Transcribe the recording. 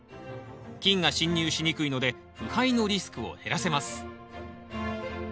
菌が侵入しにくいので腐敗のリスクを減らせます。